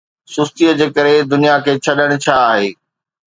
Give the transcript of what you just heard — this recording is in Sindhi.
سُستيءَ جي ڪري دنيا کي ڇڏڻ ڇا آهي؟